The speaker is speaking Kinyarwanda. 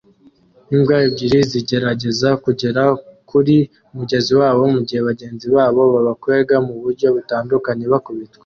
Imbwa ebyiri zigerageza kugera kuri mugenzi wabo mugihe bagenzi babo babakwega muburyo butandukanye bakubitwa